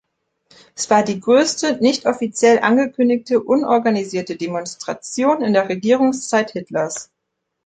Es war die größte nicht offiziell angekündigte, unorganisierte Demonstration in der Regierungszeit Hitlers.